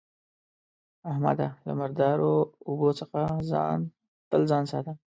احمده! له مردارو اوبو څخه تل ځان ساته.